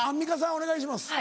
お願いします。